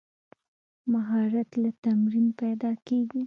مهارت له تمرین پیدا کېږي.